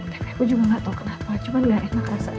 tapi aku juga gak tau kenapa cuma nggak enak rasanya